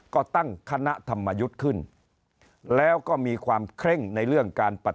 ก็ตั้งคณะธรรมยุติขึ้น